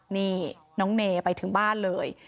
นี่น้องเนไปถึงบ้านเลย